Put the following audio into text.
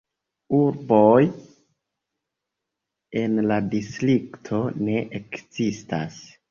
Urboj en la distrikto ne ekzistas.